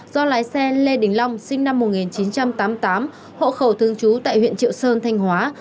do lái xe lê đình long sinh năm một nghìn chín trăm tám mươi tám hộ khẩu thương chú tại huyện triệu sơn thanh hóa